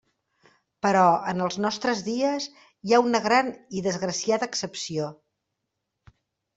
Però, en els nostres dies, hi ha una gran i desgraciada excepció.